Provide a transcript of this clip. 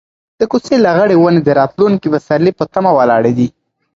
د کوڅې لغړې ونې د راتلونکي پسرلي په تمه ولاړې دي.